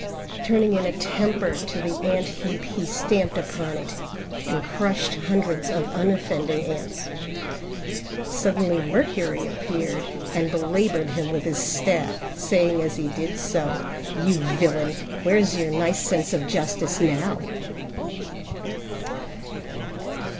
Turning in a temper to the ant heap he stamped upon it and crushed hundreds of unoffending ants. Suddenly Mercury appeared, and belaboured him with his staff, saying as he did so, "You villain, where's your nice sense of justice now?"